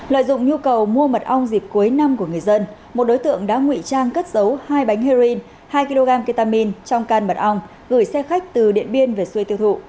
lợi dụng nhu cầu mua mật ong dịp cuối năm của người dân một đối tượng đã ngụy trang cất giấu hai bánh heroin hai kg ketamin trong can mật ong gửi xe khách từ điện biên về xuôi tiêu thụ